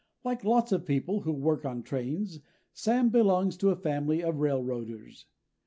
Like lots of people who work on trains, Sam belongs to a family of railroaders.